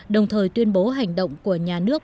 đồng thời tuyên bố hành động của nhà nước